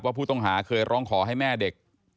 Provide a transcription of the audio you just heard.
ผู้ต้องหาเคยร้องขอให้แม่เด็ก